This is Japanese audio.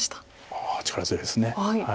ああ力強いです。